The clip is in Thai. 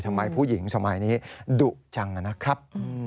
ทำไมผู้หญิงสมัยนี้ดุจังนะครับ